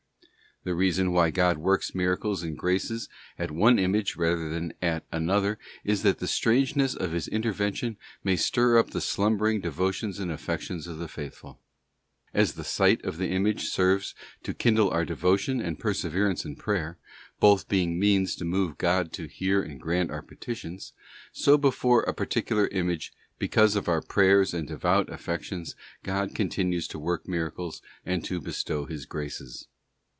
The reason why God works miracles and grants graces at one image rather than at another is, that the strangeness of His intervention may stir up the slumbering devotions and affections of the faithful. As the sight of the image serves to kindle our devotion, and perseverance in prayer—both being means to move God to hear and grant our petitions—so before a particular image, because of our prayers and devout affections, God continues to work miracles and to bestow His graces.